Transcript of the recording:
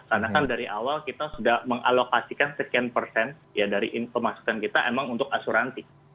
karena kan dari awal kita sudah mengalokasikan sekian persen ya dari pemasukan kita emang untuk asuransi